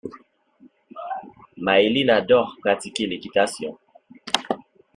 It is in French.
Maéline adore pratiquer l'équitation.